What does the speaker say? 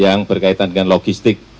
yang berkaitan dengan logistik